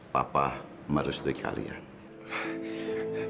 papa merestui kalian